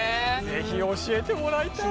是非教えてもらいたい。